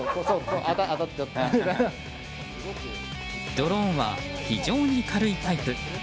ドローンは非常に軽いタイプ。